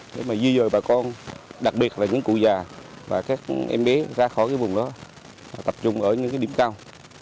để di rời bà con đặc biệt là những cụ già và các em bé ra khỏi vùng đó tập trung ở những điểm cao